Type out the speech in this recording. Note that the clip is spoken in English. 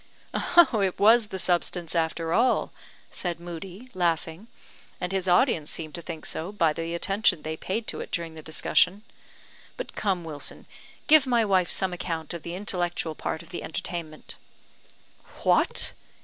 "It was the substance, after all," said Moodie, laughing; "and his audience seemed to think so, by the attention they paid to it during the discussion. But, come, Wilson, give my wife some account of the intellectual part of the entertainment." "What!